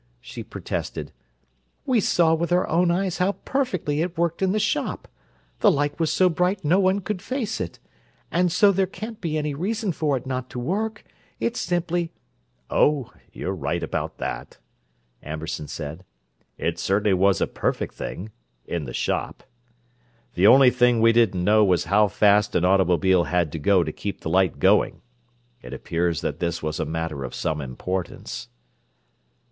she protested. "We saw with our own eyes how perfectly it worked in the shop. The light was so bright no one could face it, and so there can't be any reason for it not to work. It simply—" "Oh, you're right about that," Amberson said. "It certainly was a perfect thing—in the shop! The only thing we didn't know was how fast an automobile had to go to keep the light going. It appears that this was a matter of some importance."